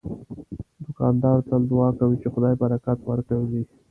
دوکاندار تل دعا کوي چې خدای برکت ورکړي.